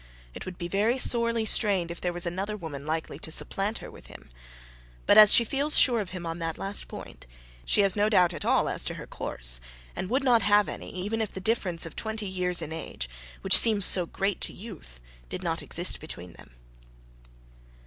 It would be very sorely strained if there was another woman likely to supplant her with him. But as she feels sure of him on that last point, she has no doubt at all as to her course, and would not have any, even if the difference of twenty years in age, which seems so great to youth, did not exist between them.